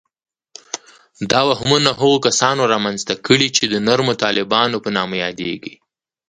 دا وهمونه هغو کسانو رامنځته کړي چې د نرمو طالبانو په نامه یادیږي